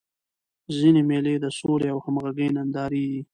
ځيني مېلې د سولي او همږغۍ نندارې يي.